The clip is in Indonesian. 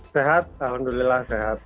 sehat alhamdulillah sehat